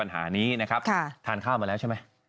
ทานข้าวมาแล้วใช่ไหม